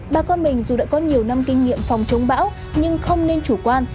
bà con mình dù đã có nhiều năm kinh nghiệm phòng chống bão nhưng không nên chủ quan